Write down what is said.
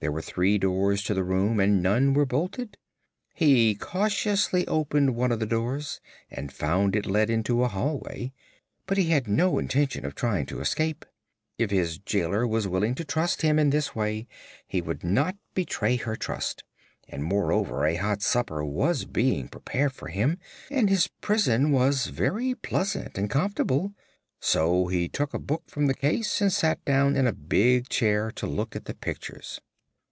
There were three doors to the room and none were bolted. He cautiously opened one of the doors and found it led into a hallway. But he had no intention of trying to escape. If his jailor was willing to trust him in this way he would not betray her trust, and moreover a hot supper was being prepared for him and his prison was very pleasant and comfortable. So he took a book from the case and sat down in a big chair to look at the pictures.